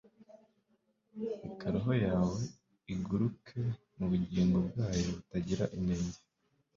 reka roho yawe iguruke mubugingo bwayo butagira inenge